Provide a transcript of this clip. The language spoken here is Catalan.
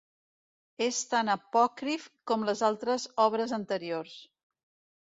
És tan apòcrif com les altres obres anteriors.